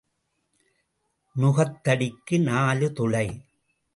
நுகத்தடிக்கு நாலு துளை.